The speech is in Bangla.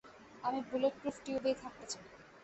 আমি বুলেটপ্রুফ টিউবেই থাকতে চাই।